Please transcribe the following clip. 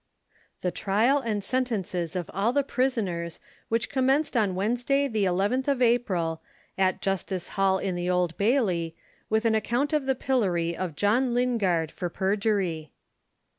THE TRIAL & SENTENCES OF ALL THE PRISONERS, WHICH COMMENCED On WEDNESDAY, the 11th of APRIL, AT JUSTICE HALL IN THE OLD BAILEY, WITH AN ACCOUNT OF THE PILLORY OF JOHN LINGARD, FOR PERJURY.